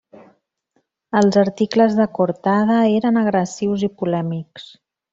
Els articles de Cortada eren agressius i polèmics.